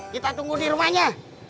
kita tunggu dirumahnya